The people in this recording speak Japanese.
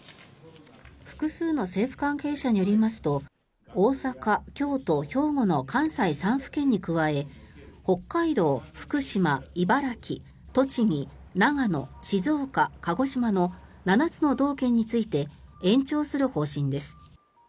複数の政府関係者によりますと大阪、京都、兵庫の関西３府県に加え北海道、福島、茨城、栃木、長野静岡、鹿児島の７つの道県について延長する方針です。